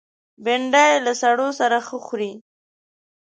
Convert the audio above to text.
بېنډۍ له سړو سره ښه خوري